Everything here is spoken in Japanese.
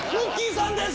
さんです。